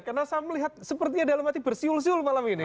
karena saya melihat sepertinya dalam hati bersiul siul malam ini